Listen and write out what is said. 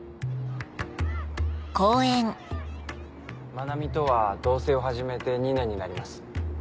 真名美とは同棲を始めて２年になります。